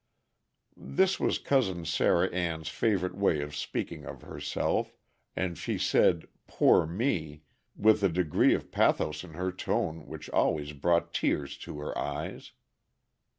This was Cousin Sarah Ann's favorite way of speaking of herself, and she said "poor me" with a degree of pathos in her tone which always brought tears to her eyes.